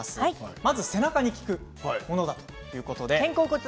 まず背中に効くものということで。